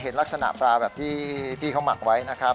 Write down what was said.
คือเนื้อนานน้ำแบบนี้นะครับใส่ข้าวเข้าไปแถวท้องเขานะครับ